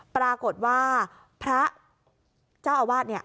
ปรากฏว่าพระเจ้าอาวาสเนี่ย